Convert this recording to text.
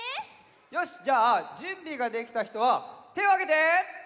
よしじゃあじゅんびができたひとはてをあげて！